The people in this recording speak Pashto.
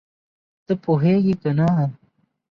ته پوهېږې که نه؟